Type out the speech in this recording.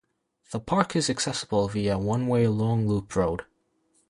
The park is accessible via a one-way long loop road.